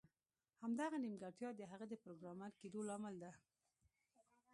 همدغه نیمګړتیا د هغه د پروګرامر کیدو لامل ده